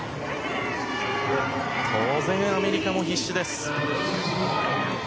当然、アメリカも必死です。